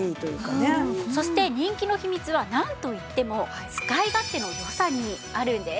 そして人気の秘密はなんといっても使い勝手の良さにあるんです。